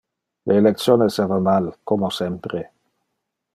Le election esseva mal, como sempre.